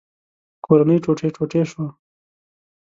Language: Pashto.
کورنۍ ټوټې ټوټې شوه.